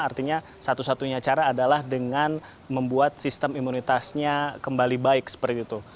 artinya satu satunya cara adalah dengan membuat sistem imunitasnya kembali baik seperti itu